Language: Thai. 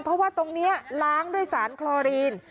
เพราะว่าตรงนี้ล้างด้วยสารคลอรีน